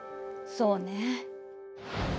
そうね。